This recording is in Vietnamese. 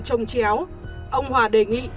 trông chéo ông hòa đề nghị